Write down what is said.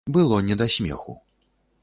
Было не да смеху.